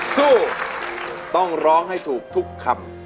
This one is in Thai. สู้ต้องร้องให้ถูกทุกคำ